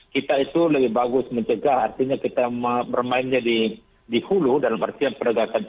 kita itu lebih bagus mencegah artinya kita bermainnya di hulu dalam arti yang perdagangan tiga t